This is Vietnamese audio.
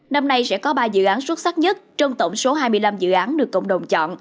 năm nay sẽ có ba dự án xuất sắc nhất trong tổng số hai mươi năm dự án được cộng đồng chọn